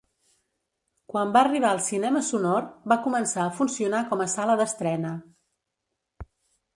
Quan va arribar el cinema sonor, va començar a funcionar com a sala d'estrena.